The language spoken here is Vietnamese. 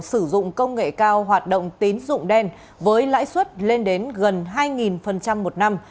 sử dụng công nghệ cao hoạt động tín dụng đen với lãi suất lên đến gần hai một năm